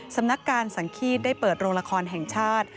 สำนักการสังฆีตได้เปิดโรงละครแห่งชาติ